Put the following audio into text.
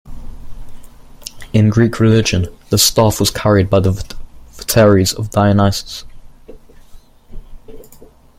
In Greek religion, the staff was carried by the votaries of Dionysus.